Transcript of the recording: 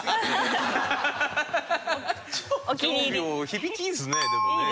響きいいですねでもね。